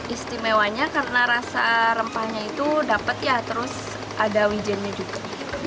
istimewanya karena rasa rempahnya itu dapat ya terus ada wijennya juga